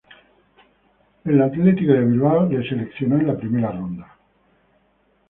El Boston Celtics le seleccionó en la primera ronda.